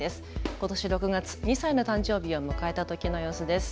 ことし６月、２歳の誕生日を迎えたときの様子です。